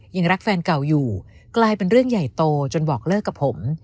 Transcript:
ยังรักแฟนเก่าอยู่กลายเป็นเรื่องใหญ่โตจนบอกเลิกกับผม